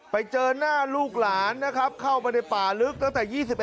ไปเจอหน้าลูกหลานนะครับเข้าไปในป่าลึกตั้งแต่๒๑